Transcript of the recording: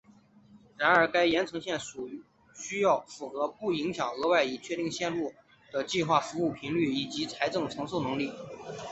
然而该延长线需要符合不影响额外已确定路线的计划服务频率以及财政承受能力。